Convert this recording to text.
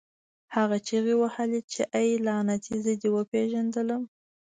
هغه چیغې وهلې چې اې لعنتي زه دې وپېژندلم